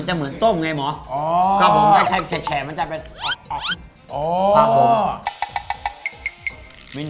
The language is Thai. แฉดแฉดมันจะเป็นออกออก